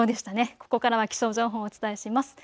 ここからは気象情報をお伝えします。